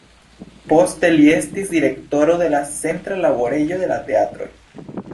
Poste li estis direktoro de la Centra Laborejo de la Teatroj.